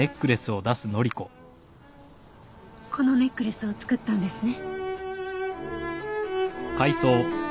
このネックレスを作ったんですね。